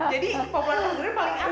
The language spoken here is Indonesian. jadi populer populer paling api